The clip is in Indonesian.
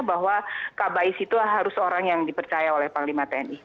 bahwa kabais itu harus orang yang dipercaya oleh panglima tni